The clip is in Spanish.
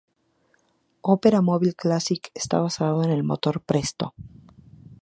Opera Mobile Classic está basado en el motor Presto.